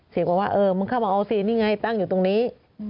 บอกว่าเออมึงเข้ามาเอาสินี่ไงตั้งอยู่ตรงนี้